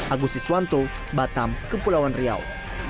agusti swanto batam kepulauan riau